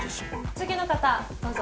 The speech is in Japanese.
次の方どうぞ。